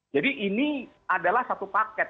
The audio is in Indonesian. jadi ini adalah satu paket